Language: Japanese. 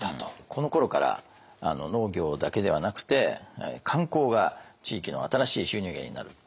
このころから農業だけではなくて観光が地域の新しい収入源になる。